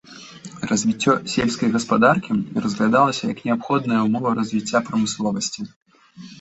Развіццё сельскай гаспадаркі разглядалася як неабходная ўмова развіцця прамысловасці.